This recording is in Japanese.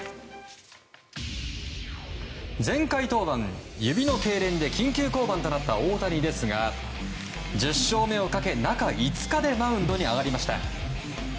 前回登板、指のけいれんで緊急降板となった大谷ですが１０勝目をかけ、中５日でマウンドに上がりました。